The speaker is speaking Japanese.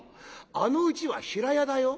あのうちは平屋だよ」。